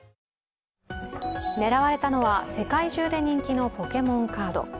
狙われたのは世界中で人気のポケモンカード。